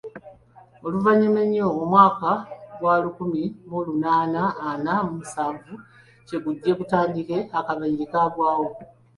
Oluvannyuma ennyo ng’omwaka gwa lukumi mu munaana ana mu musanvu kye gujje gutandike, akabenje kaagwawo.